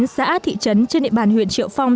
xã thị trấn trên địa bàn huyện triệu phong